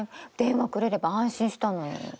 電話くれれば安心したのに。